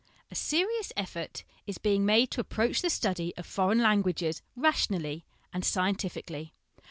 A serious effort is being made to approach the study of foreign languages rationally and scientifically.